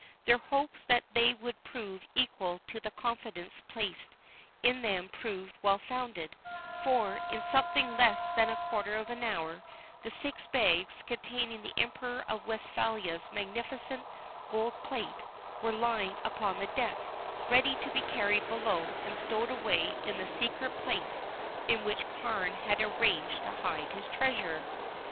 Their hopes that they would prove equal to the confidence placed in them proved well founded, for, in something less than a quarter of an hour, the six bags, containing the Emperor of Westphalia's magnificent gold plate, were lying upon the deck, ready to be carried below and stowed away in the secret place in which Carne had arranged to hide his treasure.